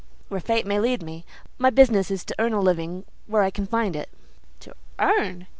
"Where Fate may lead me. My business is to earn a living where I can find it." "To earn!"